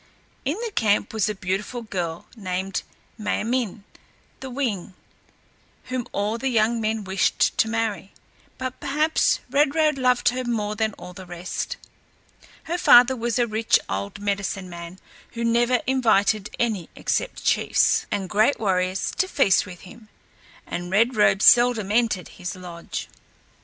In the camp was a beautiful girl named M[=a] m[)i]n´ the Wing whom all the young men wished to marry, but perhaps Red Robe loved her more than all the rest. Her father was a rich old medicine man who never invited any except chiefs and great warriors to feast with him, and Red Robe seldom entered his lodge.